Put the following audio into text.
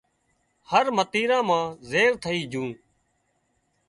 هر متيرا مان زهر ٿئي جھون